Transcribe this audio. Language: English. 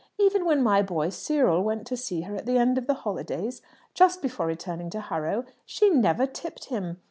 "Even when my boy Cyril went to see her at the end of the holidays, just before returning to Harrow, she never tipped him.